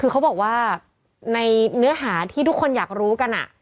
คือเขาบอกว่าในเนื้อหาที่ทุกคนอยากรู้กัน